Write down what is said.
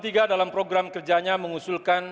tiga dalam program kerjanya mengusulkan